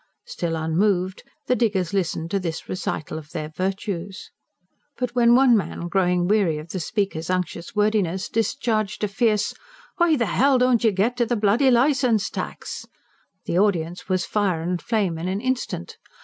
Still unmoved, the diggers listened to this recital of their virtues. But when one man, growing weary of the speaker's unctuous wordiness, discharged a fierce: "Why the hell don't yer git on to the bloody licence tax?" the audience was fire and flame in an instant.